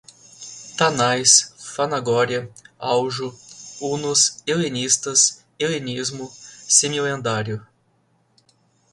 Tánais, Fanagoria, Aujo, hunos, helenistas, helenismo, semilendário